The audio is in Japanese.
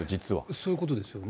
そういうことですよね。